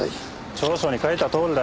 調書に書いたとおりだよ。